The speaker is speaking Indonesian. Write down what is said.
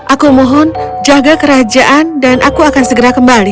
aku mohon jaga kerajaan dan aku akan segera kembali